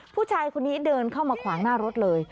ผู้ชายคนนี้เดินเข้ามาขวางหน้ารถเลย